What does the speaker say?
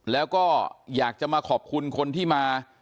แล้วก็อยากจะมาขอบคุณคนที่มา